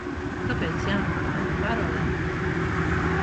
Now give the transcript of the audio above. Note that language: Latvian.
Kāpēc jānomaina parole?